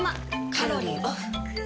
カロリーオフ。